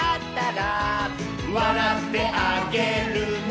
「わらってあげるね」